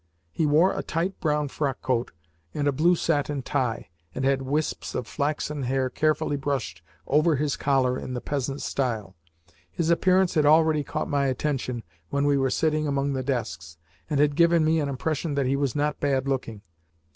He wore a tight brown frockcoat and a blue satin tie, and had wisps of flaxen hair carefully brushed over his collar in the peasant style. His appearance had already caught my attention when we were sitting among the desks, and had given me an impression that he was not bad looking.